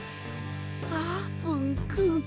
あーぷんくん。